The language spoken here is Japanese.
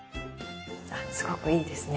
すごくいいですね